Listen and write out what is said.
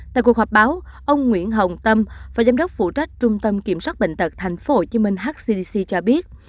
tại cuộc họp báo ông nguyễn hồng tâm phó giám đốc phụ trách trung tâm kiểm soát bệnh tật thành phố hồ chí minh hcdc cho biết